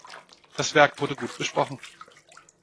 Das Werk wurde gut besprochen.